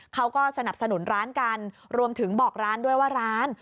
เขาก็สนับสนุนร้านกันรวมถึงบอกร้านด้วยว่าร้าน